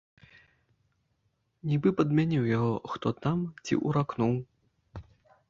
Нібы падмяніў яго хто там ці ўракнуў.